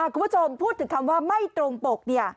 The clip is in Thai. คุณผู้ชมพูดถึงคำว่าไม่ตรงปก